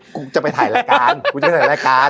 กูจะไปถ่ายรายการ